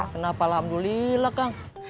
kenapa alhamdulillah kang